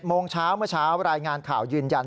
โมงเช้าเมื่อเช้ารายงานข่าวยืนยัน